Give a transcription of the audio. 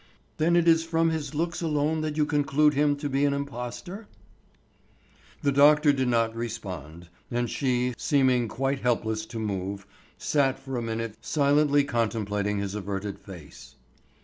"Then it is from his looks alone that you conclude him to be an impostor?" The doctor did not respond, and she, seeming quite helpless to move, sat for a minute silently contemplating his averted face.